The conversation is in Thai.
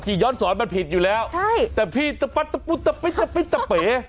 ที่ย้อนสอนมันผิดอยู่แล้วแต่พี่ปัดปุ๊ตปิดปิดดะเป๊